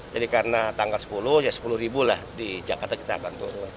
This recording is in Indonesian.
jadi karena tanggal sepuluh ya sepuluh lah di jakarta kita akan turun